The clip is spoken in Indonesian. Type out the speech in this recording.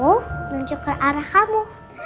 menunjuk ke arah kamu